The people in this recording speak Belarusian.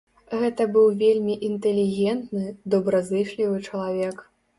Гэта быў вельмі інтэлігентны, добразычлівы чалавек.